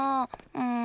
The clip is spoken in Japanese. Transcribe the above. うん。